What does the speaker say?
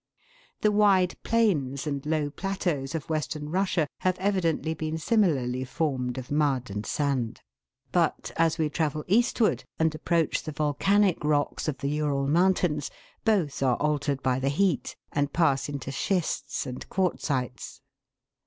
The wide plains and low plateaux of Western Russia have evidently been similarly formed of mud and sand ; but ii4 THE WORLD'S LUMBER ROOM. as we travel eastward, and approach the volcanic rocks of the Ural Mountains, both are altered by the heat, and pass into schists and quartzites.